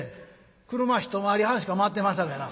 車一回り半しか回ってまんさかいな。